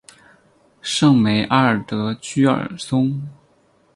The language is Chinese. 圣梅阿尔德居尔松。